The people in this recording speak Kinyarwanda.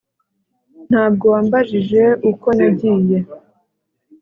Ntabwo wambajije uko nagiye